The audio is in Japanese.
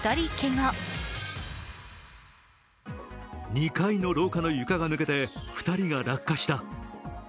２階の廊下の床が抜けて２人が落下した。